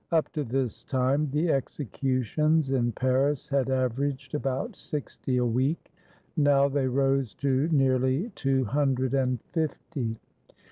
Up to this time the executions in Paris had averaged about sixty a week. Now they rose to nearly two hundred and fifty.